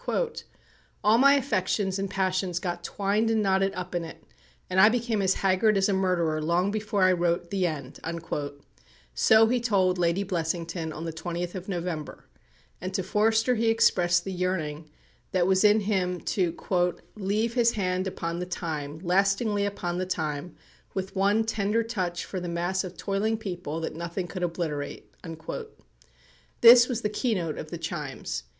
"All my affections and passions got twined and knotted up in it, and I became as haggard as a murderer long before I wrote 'the end,'" so he told Lady Blessington on the 20th of November; and to Forster he expressed the yearning that was in him to "leave" his "hand upon the time, lastingly upon the time, with one tender touch for the mass of toiling people that nothing could obliterate." This was the keynote of "The Chimes."